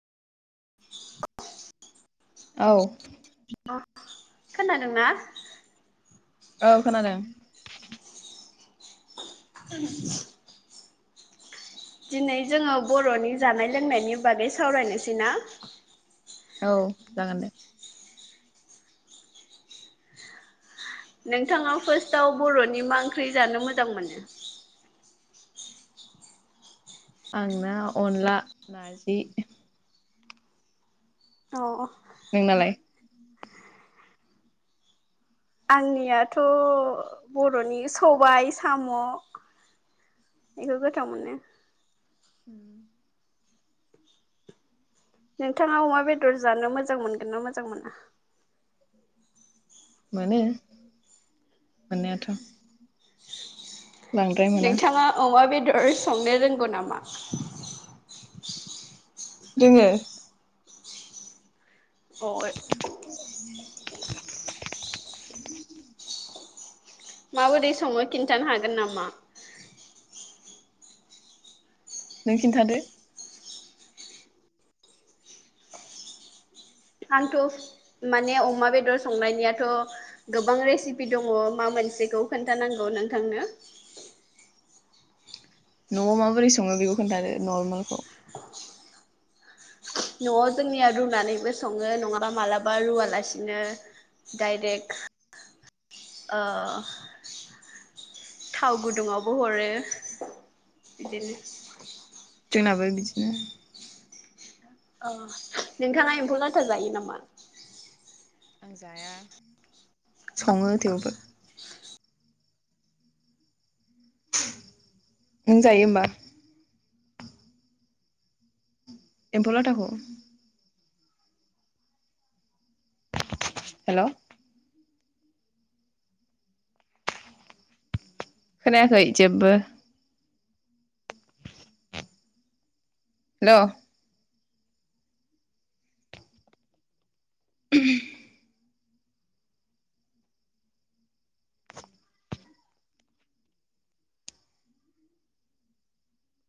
[inaudible] औ खोनादोंना औ खोनादों दिनै जोंङो बर'नि जानाय लोंनायनि बागै सावरायनोसै ना औ जागोन दे नोंथांङा फार्स्टआव बर'नि मा ओंख्रि जानो मोजां मोनो आंना अनला नारजि। अ अ। नोंनालाय? आंनियाथ' बर'नि सबाय साम'। इखो गोथाव मोनो। उम। नोंथांङा अमा बेदर जानो मोजां मोनगोन ना मोजां मोना? मोनो मोननायाथ'। बांद्राय मोना नोंथांङा अमा बेदर संनो रोंगौ नामा? दोङो। [unintelligible] [inaudible] माबोरै संङो खिन्थानो हागोन नामा? नों खिन्थादो। आंथ' माने अमा बेदर संनायनियाथ' गोबां रेसिपि दंङ मा मोनसेखौ खोन्थानांगौ नोंथांनो? न'आव माबोरै संङो बेखौ खोन्थादो नरमालखौ। न'आव जोंनिया रुनानैबो संङो नङाबा मालाबा रुवालासिनो डाइरेक्ट ओ थाव गुदुंङावबो हरो बिदिनो जोंनाबो बिदिनो ओह नोंथांङा एम्फौ लाथा जायो नामा? आं जाया संङो थेवबो। नों जायो ओमबा? एम्फौ लाथाखौ। हेलौ। खोनायाखै जेब्बो। हेलौ। [inaudible]